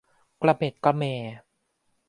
กระเหม็ดกระแหม่